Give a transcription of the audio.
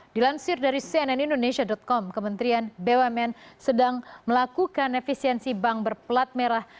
dilansir dari cnn indonesia com kementerian bumn sedang melakukan efisiensi bank berplat merah